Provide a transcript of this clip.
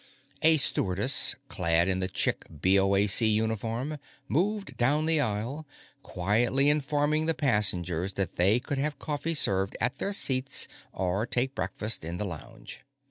A stewardess, clad in the chic BOAC uniform, moved down the aisle, quietly informing the passengers that they could have coffee served at their seats or take breakfast in the lounge.